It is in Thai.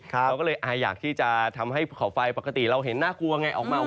เราก็เลยอยากที่จะทำให้เผาไฟปกติเราเห็นน่ากลัวไงออกมา